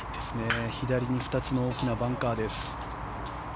左に２つの大きなバンカーです。